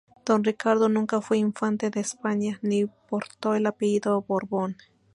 Don Ricardo nunca fue "infante de España", ni portó el apellido Borbón.